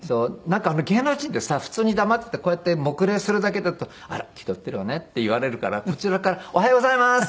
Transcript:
なんか芸能人ってさ普通に黙っていてこうやって黙礼するだけだと「あら気取っているわね」って言われるからこちらから「おはようございます。